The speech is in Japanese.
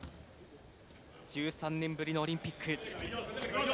１３年ぶりのオリンピック。